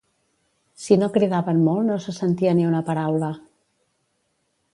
Si no cridaven molt no sentia ni una paraula